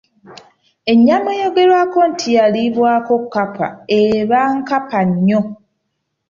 Ennyama eyogerwako nti yaliibwako kkapa eba nkapa nnyo.